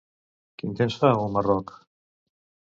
Quin temps fa a Humarock?